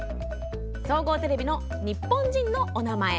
総合テレビの「日本人のおなまえ」。